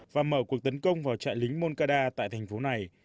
và mở cuộc tấn công vào trại lính moncada tại thành phố này